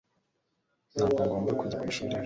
Ntabwo ngomba kujya ku ishuri ejo